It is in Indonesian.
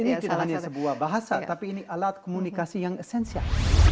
ini tidak hanya sebuah bahasa tapi ini alat komunikasi yang esensial